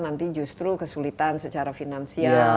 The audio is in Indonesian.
nanti justru kesulitan secara finansial